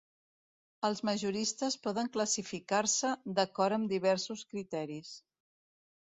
Els majoristes poden classificar-se d'acord amb diversos criteris.